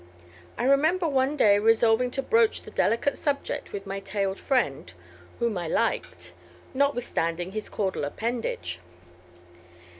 I remember one day resolving to broach the delicate subject with my tailed friend, whom I liked, notwithstanding his caudal appendage.